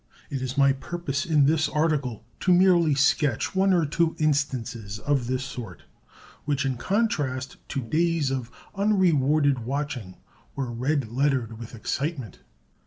It is my purpose in this article to merely sketch one or two instances of this sort, which, in contrast to days of unrewarded watching, were red lettered with excitement.